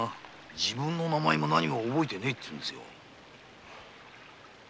自分の名前も何も覚えてねぇって言うんですよ。